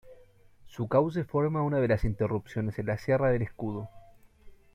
Su cauce forma una de las interrupciones en la sierra del Escudo.